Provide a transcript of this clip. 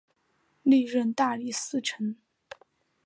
历任大理寺丞。